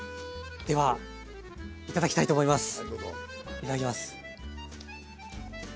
いただきます。